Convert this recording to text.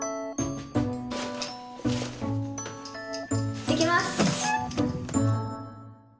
行ってきます！